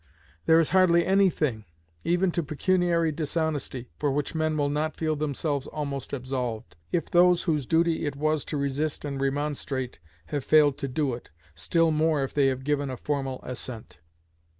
There is hardly any thing, even to pecuniary dishonesty, for which men will not feel themselves almost absolved, if those whose duty it was to resist and remonstrate have failed to do it, still more if they have given a formal assent.